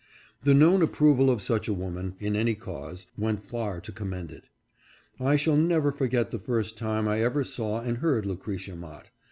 The known approval of such a woman, in any cause, went far to commend it. I shall never forget the first time I ever saw and heard Lucretia Mott.